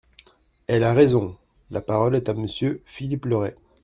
Elle a raison ! La parole est à Monsieur Philippe Le Ray.